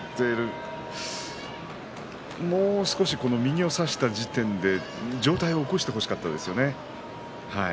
もう少し右を差した時点で前に出てほしかったです。